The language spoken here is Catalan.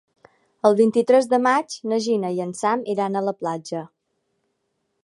El vint-i-tres de maig na Gina i en Sam iran a la platja.